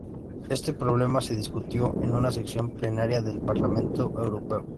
Este problema se discutió en una sesión plenaria del Parlamento Europeo.